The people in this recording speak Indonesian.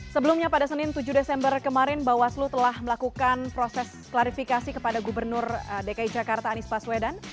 sebelumnya pada senin tujuh desember kemarin bawaslu telah melakukan proses klarifikasi kepada gubernur dki jakarta anies baswedan